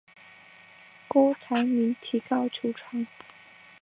郭台铭提告求偿。